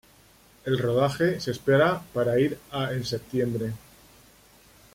El rodaje se espera para ir a en septiembre.